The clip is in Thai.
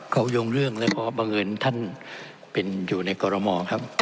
เขายงเรื่องเลยเนี่ยเพราะว่าบางเอิญท่านเป็นอยู่ในกรมอค์ครับ